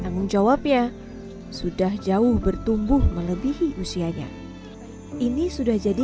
tanggung jawab ya sudah jauh bertumbuh melebihi usianya ini sudah jadi